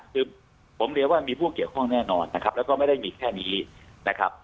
คือผมเรียกว่ามีผู้เกี่ยวข้องแน่นอนนะครับแล้วก็ไม่ได้มีแค่นี้นะครับ